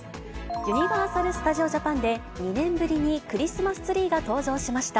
ユニバーサル・スタジオ・ジャパンで、２年ぶりにクリスマスツリーが登場しました。